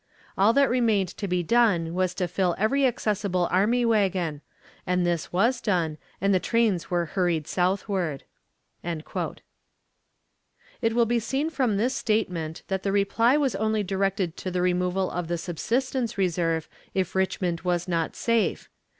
All that remained to be done was to fill every accessible army wagon; and this was done, and the trains were hurried southward." It will be seen from this statement that the reply was only directed to the removal of the subsistence reserve if Richmond was not safe.